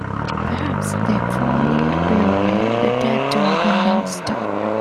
Perhaps they formerly buried the dead toward the North Star.